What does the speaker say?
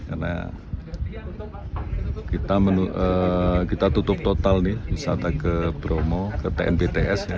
karena kita tutup total wisata ke bromo ke tnpts